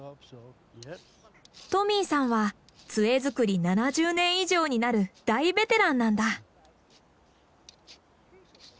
トミーさんは杖作り７０年以上になる大ベテランなんだ。